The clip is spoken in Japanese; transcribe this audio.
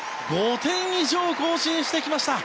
５点以上、更新してきました！